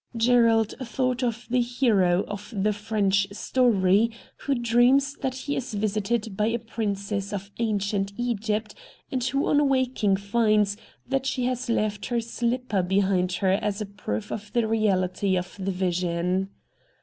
Gerald thought of the hero of the French story who dreams that he is visited by a princess of ancient Egypt, and who on waking finds that she has left her slipper behind her THE POCKET BOOK 165 as a proof of the reality of the vision.